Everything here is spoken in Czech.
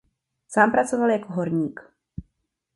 Sám pracoval jako horník.